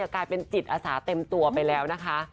กลายเป็นจิตอาสาเต็มตัวไปแล้วนะคะ